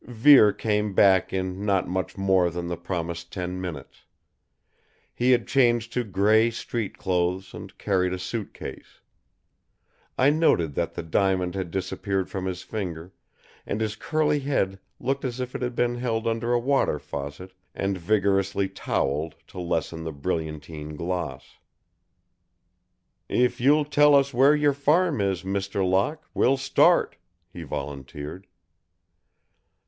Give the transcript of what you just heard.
Vere came back in not much more than the promised ten minutes. He had changed to gray street clothes and carried a suitcase. I noted that the diamond had disappeared from his finger and his curly head looked as if it had been held under a water faucet and vigorously toweled to lessen the brilliantine gloss. "If you'll tell us where your farm is, Mr. Locke, we'll start," he volunteered.